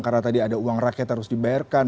karena tadi ada uang rakyat yang harus dibayarkan